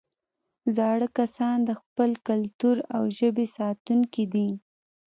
زاړه کسان د خپل کلتور او ژبې ساتونکي دي